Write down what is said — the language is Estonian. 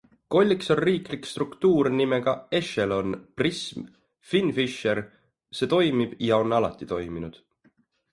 Kolliks on riiklik struktuur nimega ECHELON, PRISM, FINFISHER - see toimib ja on alati toiminud.